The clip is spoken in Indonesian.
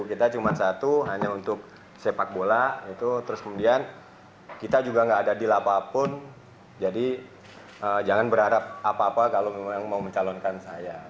kita cuma satu hanya untuk sepak bola itu terus kemudian kita juga nggak ada deal apapun jadi jangan berharap apa apa kalau memang mau mencalonkan saya